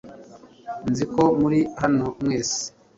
Nzi ko muri hano mwese